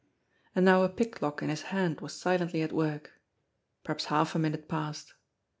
And now a pick lock in his hand was silently at work. Perhaps half a minute passed.